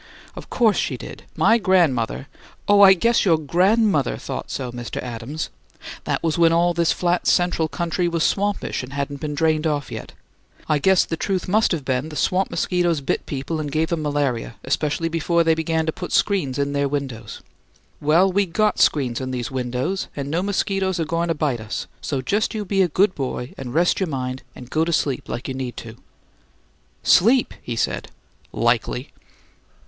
"Of course she did. My grandmother " "Oh, I guess your GRANDmother thought so, Mr. Adams! That was when all this flat central country was swampish and hadn't been drained off yet. I guess the truth must been the swamp mosquitoes bit people and gave 'em malaria, especially before they began to put screens in their windows. Well, we got screens in these windows, and no mosquitoes are goin' to bite us; so just you be a good boy and rest your mind and go to sleep like you need to." "Sleep?" he said. "Likely!"